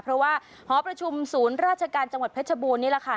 เพราะว่าหอประชุมศูนย์ราชการจังหวัดเพชรบูรณนี่แหละค่ะ